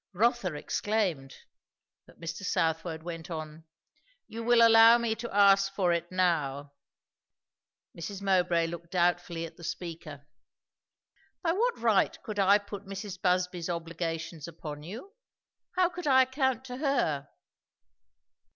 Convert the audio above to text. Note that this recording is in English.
Rotha exclaimed, but Mr. Southwode went on "You will allow me to ask for it now." Mrs. Mowbray looked doubtfully at the speaker. "By what right could I put Mrs. Busby's obligations upon you? How could I account to her?"